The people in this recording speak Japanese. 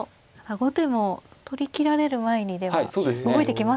後手も取りきられる前にでは動いてきますよね。